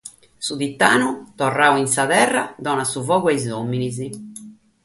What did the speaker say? Su Titanu torradu in sa terra donat su fogu a sos òmines.